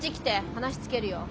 話つけるよ。